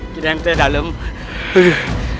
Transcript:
kita tidak dapat menang